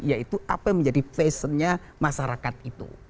yaitu apa yang menjadi passionnya masyarakat itu